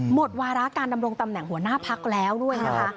หมดวาระการดำรงตำแหน่งหัวหน้าพักแล้วด้วยนะคะ